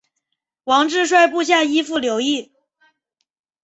王质率部下依附留异。